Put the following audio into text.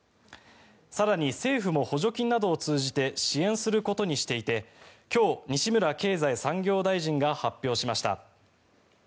更に、政府も補助金などを通じて支援することにしていて今日、西村経済産業大臣が発表しました。